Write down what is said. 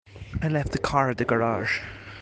I left the car at the garage.